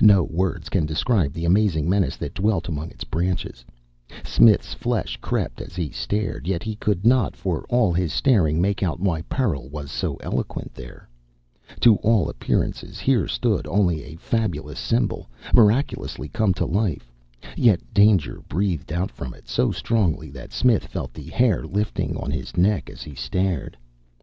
No words can describe the amazing menace that dwelt among its branches. Smith's flesh crept as he stared, yet he could not for all his staring make out why peril was so eloquent there. To all appearances here stood only a fabulous symbol miraculously come to life; yet danger breathed out from it so strongly that Smith felt the hair lifting on his neck as he stared.